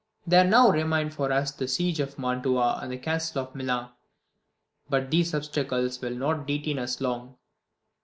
There now remain for us the siege of Mantua and the castle of Milan; but these obstacles will not detain us long.